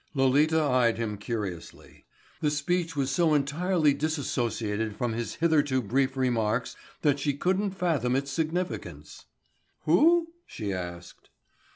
Lolita eyed him curiously. The speech was so entirely disassociated from his hitherto brief remarks that she couldn't fathom its significance. "Who?" she asked.